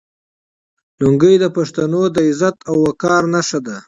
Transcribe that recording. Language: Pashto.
لونګۍ د پښتنو د عزت او وقار نښه ده.